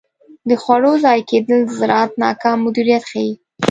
د خوړو ضایع کیدل د زراعت ناکام مدیریت ښيي.